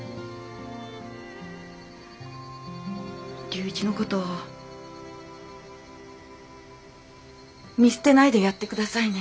龍一の事を見捨てないでやって下さいね。